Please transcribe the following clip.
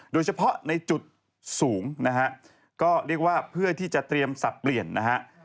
โดยเฉพาะในจุดสูงนะฮะก็เรียกว่าเพื่อที่จะเตรียมสับเปลี่ยนนะฮะ